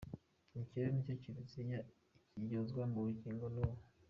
Icyo rero nicyo Kiliziya ikiryozwa na bugingo n’ubu.